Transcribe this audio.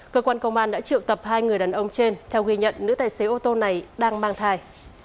cơ quan công an đã triệu tập hai người đàn ông trên theo ghi nhận nữ tài xế ô tô này đang mang thai